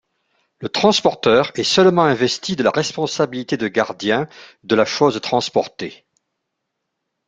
Le transporteur est seulement investi de la responsabilité de gardien de la chose transportée.